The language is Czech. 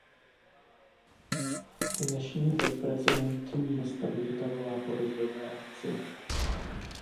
Dnešní bezprecedentní nestabilita volá po rozhodné akci.